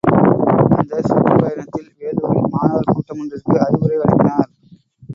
அந்த சுற்றுப் பயணத்தில், வேலூரில், மாணவர் கூட்டமொன்றிற்கு அறிவுரை வழங்கினார்.